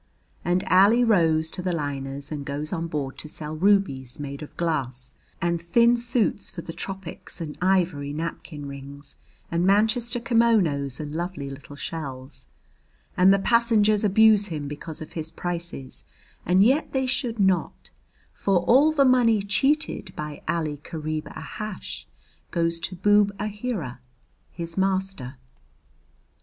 And Ali rows to the liners and goes on board to sell rubies made of glass, and thin suits for the tropics and ivory napkin rings, and Manchester kimonos, and little lovely shells; and the passengers abuse him because of his prices; and yet they should not, for all the money cheated by Ali Kareeb Ahash goes to Boob Aheera, his master.